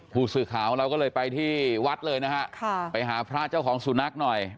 ผู้สื่อข่าวเราก็เลยไปที่วัดเลยนะฮะไปหาพระเจ้าของสุนัขหน่อย